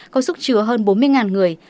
có sức chứa hơn bốn mươi người